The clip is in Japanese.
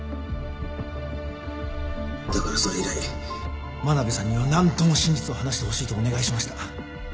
だからそれ以来真鍋さんには何度も真実を話してほしいとお願いしました。